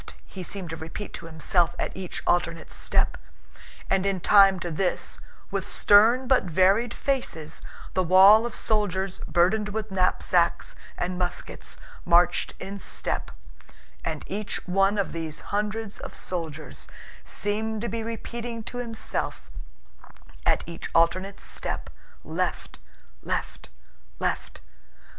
he seemed to repeat to himself at each alternate step; and in time to this, with stern but varied faces, the wall of soldiers burdened with knapsacks and muskets marched in step, and each one of these hundreds of soldiers seemed to be repeating to himself at each alternate step, "Left... left... left..."